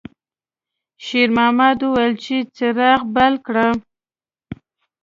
شېرمحمد وویل چې څراغ بل کړه.